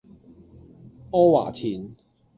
阿華田